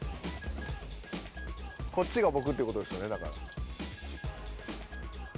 こっちが僕って事ですよねだから。